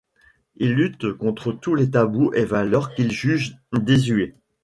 Ils luttent contre tous les tabous et valeurs qu'ils jugent désuets.